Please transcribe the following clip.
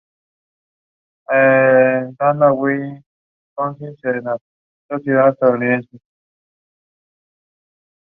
She also taught at George Washington University Medical School and Catholic University.